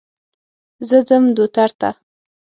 زه ځم دوتر ته.